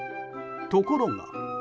ところが。